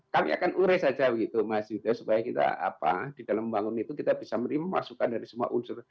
kami akan urai saja gitu mas yuda supaya kita di dalam membangun itu kita bisa menerima masukan dari semua unsur